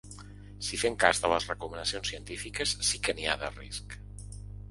Si fem cas de les recomanacions científiques, sí que n’hi ha, de risc.